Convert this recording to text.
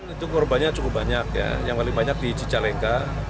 itu korbannya cukup banyak ya yang paling banyak di cicalengka